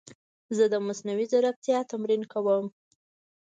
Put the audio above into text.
زه د مصنوعي ځیرکتیا تمرین کوم.